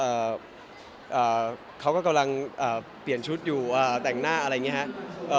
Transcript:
เอ่อเขาก็กำลังอ่าเปลี่ยนชุดอยู่อ่าแต่งหน้าอะไรอย่างเงี้ฮะเอ่อ